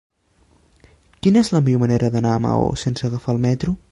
Quina és la millor manera d'anar a Maó sense agafar el metro?